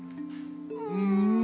うん。